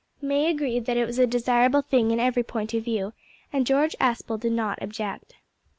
May agreed that it was a desirable thing in every point of view, and George Aspel did not object.